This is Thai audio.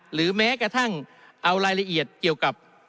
หรือแม้กระทั่งเอารายละเอียดเกี่ยวกับ